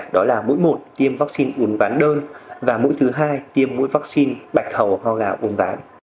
đó là mũi một tiêm vaccine bùn ván đơn và mũi thứ hai tiêm mũi vaccine bạch hầu hoa gà bùn ván